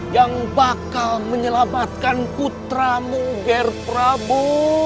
yang bakal menyelamatkan putramu ger prabowo